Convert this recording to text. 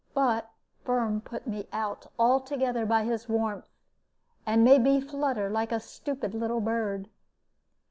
But Firm put me out altogether by his warmth, and made me flutter like a stupid little bird.